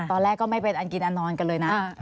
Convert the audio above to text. ตอนแรกก็ไม่เป็นอันกินอันนอนกันเลยนะ